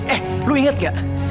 eh lu inget gak